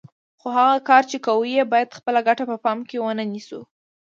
خو هغه کار چې کوو یې باید خپله ګټه په پام کې ونه نیسو.